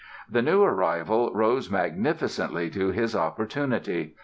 The new arrival rose magnificently to his opportunity.